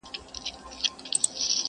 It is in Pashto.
فرمانونه چي خپاره سول په ځنګلو کي!